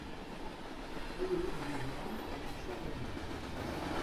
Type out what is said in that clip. Ayen i d-yeḍran leɛca-ayi.